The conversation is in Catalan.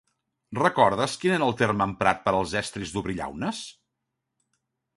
Recordes quin era el terme emprat per als estris d'obrir llaunes?